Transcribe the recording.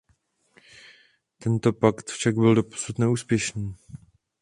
Tento pakt však byl dosud neúspěšný.